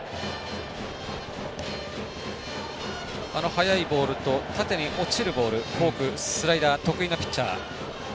速いボールと縦に落ちるボールフォーク、スライダー得意なピッチャー。